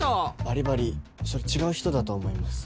バリバリそれ違う人だと思います。